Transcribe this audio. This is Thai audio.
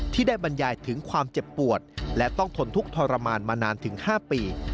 ที่ได้บรรยายถึงความเจ็บปวดและต้องทนทุกข์ทรมานมานานถึง๕ปี